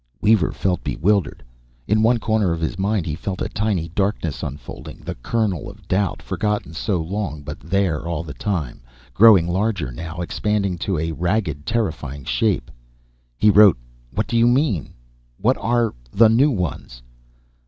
Weaver felt bewildered. In one corner of His mind He felt a tiny darkness unfolding: the kernel of doubt, forgotten so long, but there all the time. Growing larger now, expanding to a ragged, terrifying shape. He wrote, "What do you mean? Who are 'the new ones'?"